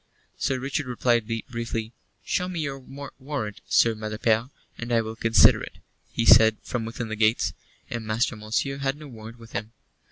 Sir Richard replied briefly. "Show me your warrant, Sir Malapert, and I will consider it," he said, from within the gates. And Master Monceux had no warrant with him.